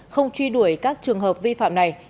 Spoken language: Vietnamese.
không truy đuổi các trường hợp vi phạm này